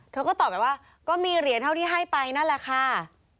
ก็ตอบไปว่าก็มีเหรียญเท่าที่ให้ไปนั่นแหละค่ะ